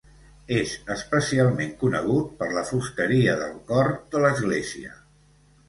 És especialment conegut per la fusteria del cor de l'església.